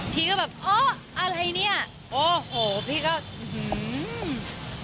พี่ก็แบบเอออะไรเนี้ยโอ้โหพี่ก็อื้อหือ